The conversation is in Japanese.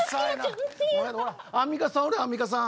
アンミカさんおるよアンミカさん。